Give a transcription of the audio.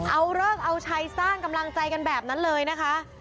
เอาเลิกเอาชัยสร้างกำลังใจกันแบบนั้นเลยนะคะ